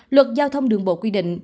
luật giao thông đường bộ quy định